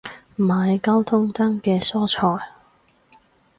買交通燈嘅蔬菜